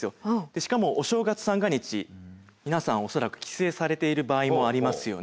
しかもお正月三が日皆さん恐らく帰省されている場合もありますよね。